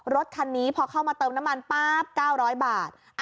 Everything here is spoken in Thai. รถคันนี้พอเข้ามาเติมน้ำมันป๊าบ๙๐๐บาท